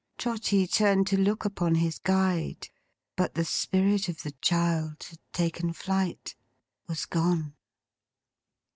Trotty turned to look upon his guide. But the Spirit of the child had taken flight. Was gone.